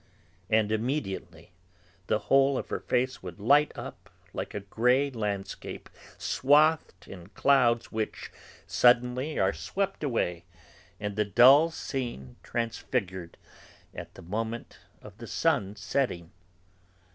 And immediately the whole of her face would light up like a grey landscape, swathed in clouds which, suddenly, are swept away and the dull scene transfigured, at the moment of the sun's setting.